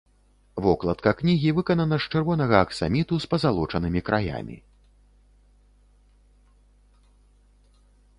Вокладка кнігі выканана з чырвонага аксаміту з пазалочанымі краямі.